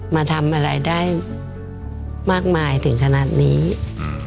มาทำอะไรได้มากมายถึงขนาดนี้อืม